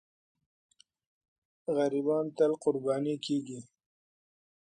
غریبان تل قرباني کېږي.